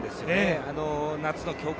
夏の強化